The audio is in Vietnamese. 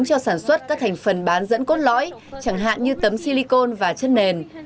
cho sản xuất các thành phần bán dẫn cốt lõi chẳng hạn như tấm silicon và chất nền